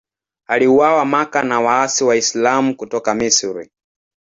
Aliuawa Makka na waasi Waislamu kutoka Misri.